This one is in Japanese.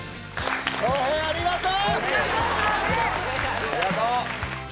祥平ありがとう！